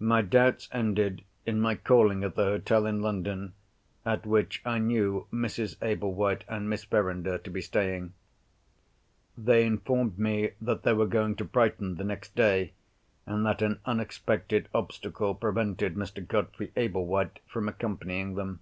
My doubts ended in my calling at the hotel in London, at which I knew Mrs. Ablewhite and Miss Verinder to be staying. They informed me that they were going to Brighton the next day, and that an unexpected obstacle prevented Mr. Godfrey Ablewhite from accompanying them.